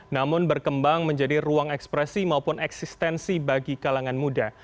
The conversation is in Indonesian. namun berkembang menjadi ruang ekspresi maupun eksistensi bagi kalangan muda